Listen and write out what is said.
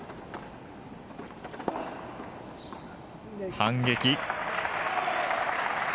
反撃。